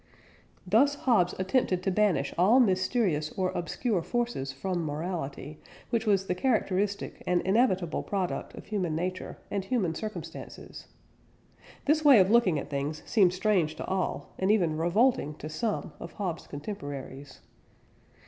Thus Hobbes attempted to banish all mysterious or obscure forces from morality, which was the characteristic and inevitable product of human nature and human circumstances. This way of looking at things seemed strange to all, and even revolting to some, of Hobbes' contemporaries.